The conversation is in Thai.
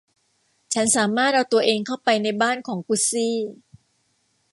ฉันสามารถเอาตัวเองเข้าไปในบ้านของกุซซี่